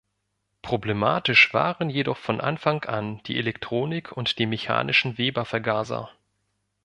Problematisch waren jedoch von Anfang an die Elektronik und die mechanischen Weber-Vergaser.